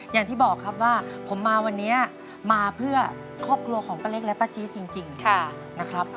อย่างที่บอกครับว่าผมมาวันนี้มาเพื่อครอบครัวของป้าเล็กและป้าจี๊ดจริงนะครับ